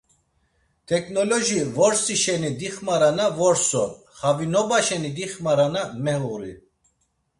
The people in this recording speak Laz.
Teknoloji vorsi şeni dixmarana vors on xavinoba şeni dixmarana meğuri!